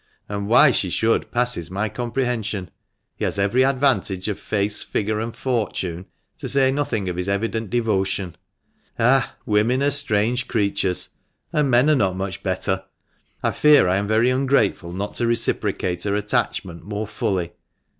And why she should passes my comprehension. He has every advantage of face, figure, and fortune, to say nothing of his evident devotion. Ah ! women are strange creatures, and men are not much better. I fear I am very ungrateful not to reciprocate her attachment more fully.